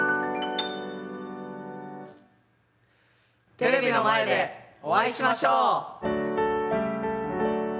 テレビの前でお会いしましょう。